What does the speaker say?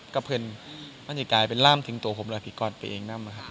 ก็เพลงมันจะกลายเป็นร่ามมาถึงตัวผมและฝีกอดไปเองนะครับ